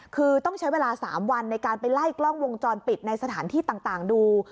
คือต้องใช้เวลา๓วันในการไปไล่กล้องวงจรปิดในสถานที่ต่างดู